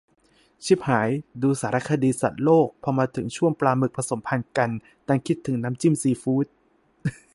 ชิบหาย ! ดูสารคดีสัตว์โลก พอมาถึงช่วงปลาหมึกผสมพันธุ์กัน ดันคิดถึงน้ำจิ้มซีฟู๊ด !